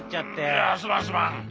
いやすまんすまん。